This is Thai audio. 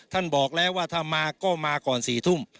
บอกแล้วว่าถ้ามาก็มาก่อน๔ทุ่ม